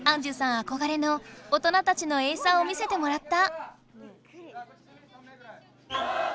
あこがれの大人たちのエイサーを見せてもらった。